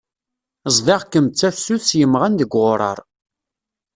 Ẓḍiɣ-kem d tafsut s yimɣan deg uɣuṛaṛ.